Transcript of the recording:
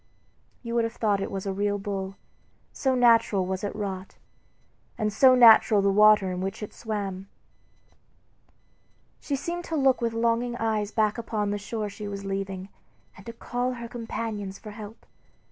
You would have thought it was a real bull, so naturally was it wrought, and so natural the water in which it swam. She seemed to look with longing eyes back upon the shore she was leaving, and to call to her companions for help.